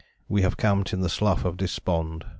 We have camped in the 'Slough of Despond.'